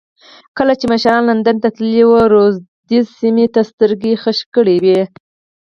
کله چې مشران لندن ته تللي وو رودز سیمې ته سترګې خښې کړې وې.